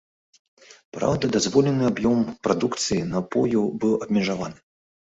Праўда, дазволены аб'ём прадукцыі напою быў абмежаваны.